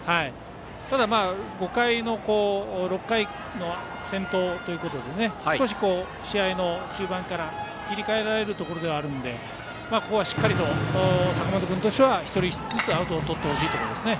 ただ６回の先頭ということで少し試合の中盤から切り替えられるところではあるのでここはしっかりと坂本君としては１人ずつアウトをとってほしいですね。